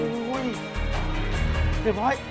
มึงคุยดี